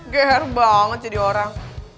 ger banget jadi orang